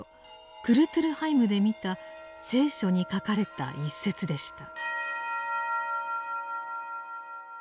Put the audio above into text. クルトゥルハイムで見た「聖書」に書かれた一節でした。